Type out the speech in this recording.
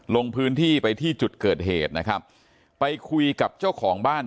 ลงพื้นที่ไปที่จุดเกิดเหตุนะครับไปคุยกับเจ้าของบ้าน